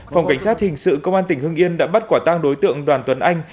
phòng cảnh sát hình sự công an tỉnh hương yên đã bắt quả tăng đối tượng đoàn tuấn anh